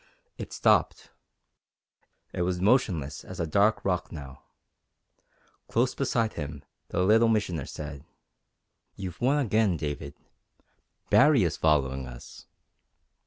It stopped. It was motionless as a dark rock now. Close beside him the Little Missioner said: "You've won again, David. Baree is following us!"